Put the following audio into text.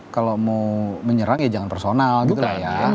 kalau mau menyerang ya jangan personal gitu lah ya